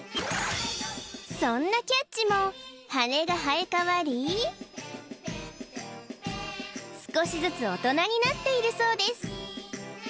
そんなキャッチも羽が生えかわり少しずつ大人になっているそうです